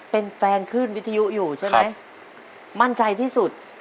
เป็นแฟนขึ้นวิทยุอยู่ใช่ไหมมั่นใจที่สุด